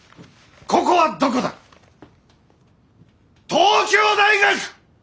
東京大学！